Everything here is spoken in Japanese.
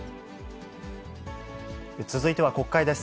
続いては国会です。